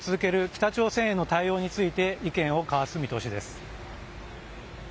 北朝鮮への対応について意見を交わす見通しです。